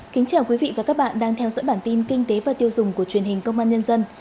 kính chào quý vị và các bạn đang theo dõi bản tin kinh tế và tiêu dùng của truyền hình công an nhân dân